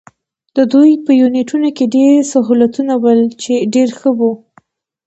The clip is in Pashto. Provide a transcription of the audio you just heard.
د دوی په یونیټونو کې ډېر سهولتونه ول، چې ډېر ښه وو.